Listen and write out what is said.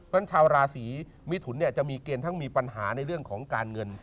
เพราะฉะนั้นชาวราศีมิถุนจะมีเกณฑ์ทั้งมีปัญหาในเรื่องของการเงิน